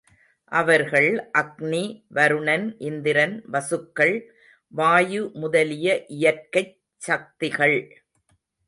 அவர்கள் அக்னி, வருணன், இந்திரன், வசுக்கள், வாயு முதலிய இயற்கைச் சக்திகள்.